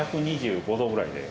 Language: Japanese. １２５度ぐらいで。